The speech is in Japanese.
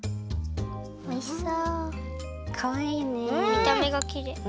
みためがきれい。